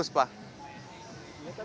terima kasih pak